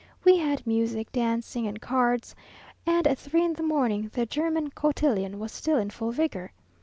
We had music, dancing, and cards, and at three in the morning the German cotillon was still in full vigour.